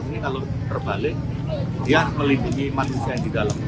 ini kalau terbalik dia melindungi manusia yang di dalam